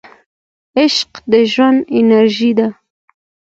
عشق د ژوند انرژي ده.